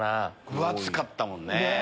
分厚かったもんね。